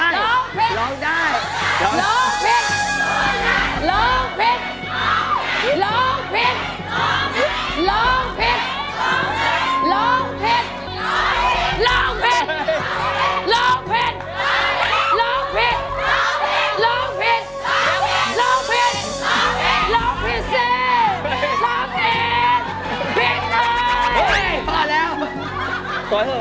ร้องได้ร้องผิด